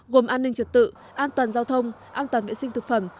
gồm an ninh trật tự an toàn giao thông an toàn vệ sinh thực phẩm